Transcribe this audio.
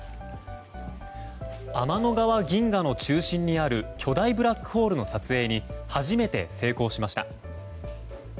天の川銀河の中心にある巨大ブラックホールの撮影に初めて成功しました。